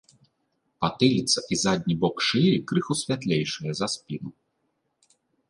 Патыліца і задні бок шыі крыху святлейшыя за спіну.